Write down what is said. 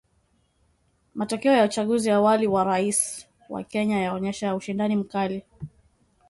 Matokeo ya uchaguzi awali wa rais wa Kenya yaonyesha ushindani ni mkali